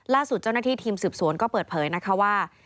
ล่าสุดเจ้าหน้าที่ทีมสืบสวนก็เปิดเผยนะคะว่า